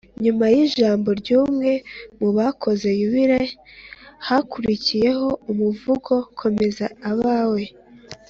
nyuma y’ijambo ry’umwe mu bakoze yubile, hakurikiyeho umuvugo « komeza abawe »